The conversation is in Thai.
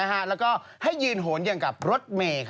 เหมือนหัวขาด